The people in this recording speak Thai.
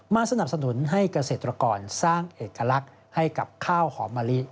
สนับสนุนให้เกษตรกรสร้างเอกลักษณ์ให้กับข้าวหอมมะลิ